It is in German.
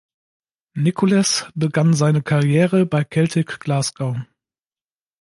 Nicholas begann seine Karriere bei Celtic Glasgow.